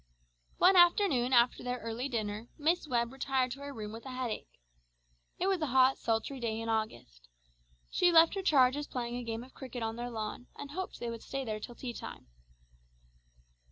One afternoon after their early dinner, Miss Webb retired to her room with a headache. It was a hot, sultry day in August. She left her charges playing a game of cricket on their lawn, and hoped they would stay there till tea time.